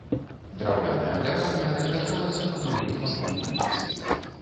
Драўляная плябанія размяшчалася на другім баку вуліцы.